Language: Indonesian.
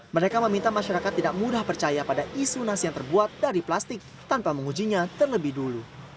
mereka meminta masyarakat tidak mudah percaya pada isu nasi yang terbuat dari plastik tanpa mengujinya terlebih dulu